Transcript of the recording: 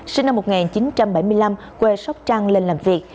sinh năm một nghìn chín trăm bảy mươi năm quê sóc trăng lên làm việc